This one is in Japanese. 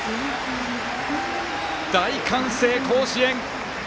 大歓声、甲子園。